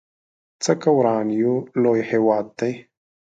څه که وران يو لوی هيواد دی